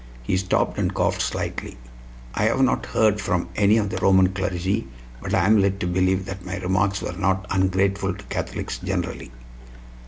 He stopped and coughed slightly. "I have not yet heard from any of the Roman clergy, but I am led to believe that my remarks were not ungrateful to Catholics generally."